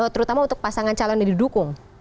terutama untuk pasangan calon yang didukung